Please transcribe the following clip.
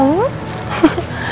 rumah ibu dimana